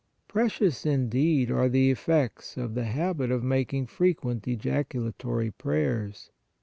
Precious, indeed, are the effects of the habit of making frequent ejaculatory prayers.